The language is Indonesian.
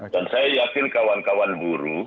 dan saya yakin kawan kawan buru